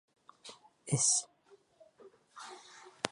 Эс!